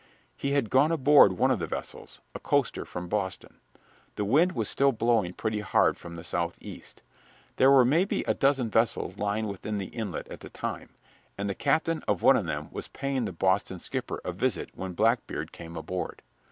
He had gone aboard one of the vessels a coaster from Boston. The wind was still blowing pretty hard from the southeast. There were maybe a dozen vessels lying within the inlet at that time, and the captain of one of them was paying the Boston skipper a visit when Blackbeard came aboard.